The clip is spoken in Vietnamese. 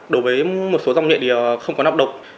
đối với một số dòng nhện thì không có nọc độc